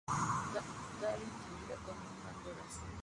La playa está distinguida con una bandera azul.